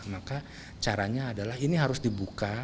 maka caranya adalah ini harus dibuka